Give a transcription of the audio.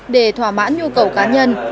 để thỏa mãn nhu cầu cá nhân